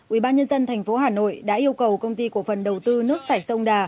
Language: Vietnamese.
ủy ban nhân dân tp hcm đã yêu cầu công ty của phần đầu tư nước sải sông đà